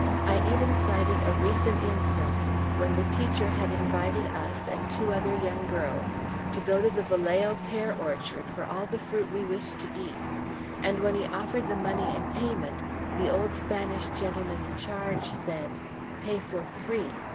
I even cited a recent instance, when the teacher had invited us, and two other young girls, to go to the Vallejo pear orchard for all the fruit we wished to eat, and when he offered the money in payment, the old Spanish gentleman in charge said, "Pay for three."